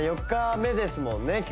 ４日目ですもんね